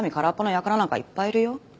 やからなんかいっぱいいるよ？